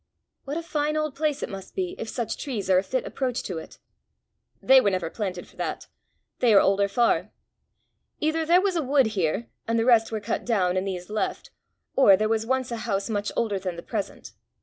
"What a fine old place it must be, if such trees are a fit approach to it!" "They were never planted for that; they are older far. Either there was a wood here, and the rest were cut down and these left, or there was once a house much older than the present.